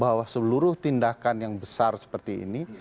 bahwa seluruh tindakan yang besar seperti ini